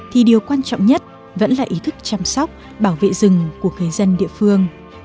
thì điều quan trọng nhất vẫn là ý thức chăm sóc bảo vệ rừng của người dân địa phương